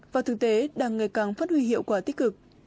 và thực tế đang ngày càng phát huy hiệu quả tích cực